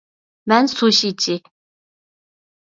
مەن سۇشىچى.